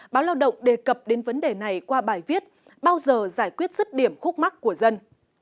báo lao động đề cập đến vấn đề này qua bài viết bao giờ giải quyết rứt điểm khúc mắc của dân